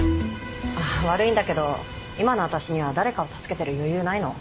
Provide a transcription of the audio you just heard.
あっ悪いんだけど今の私には誰かを助けてる余裕ないの。